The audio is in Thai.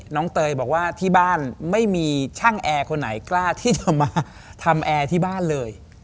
เตยบอกว่าที่บ้านไม่มีช่างแอร์คนไหนกล้าที่จะมาทำแอร์ที่บ้านเลย